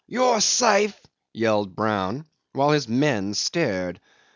You are safe," yelled Brown, while his men stared.